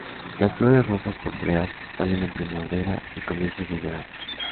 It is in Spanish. Las flores rosa purpúreas salen en primavera y comienzos del verano.